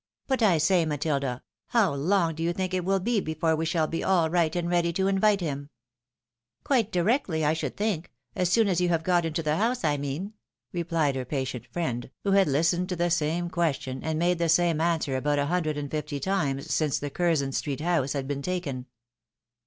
" But I say, Matilda, how long do you think it wiU be before we shall be all right and ready to invite him ?"" Quite directly, I should think, — as soon as you have got into the house, I mean," replied her patient friend, who had listened to the same question, and made the same answer about Q 258 THE WIDOW MARRIED. a hundred and fifty times since the Curzon street house had been taken.